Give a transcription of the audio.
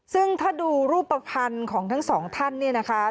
ซึ่งถ้าดูรูปภัณฑ์ของทั้งสองท่านเนี่ยนะคะ